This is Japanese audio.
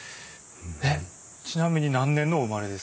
えっちなみに何年のお生まれですか？